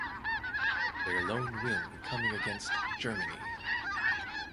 Their lone win coming against Germany.